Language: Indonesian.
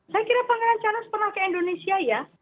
saya kira pangeran charles pernah ke indonesia ya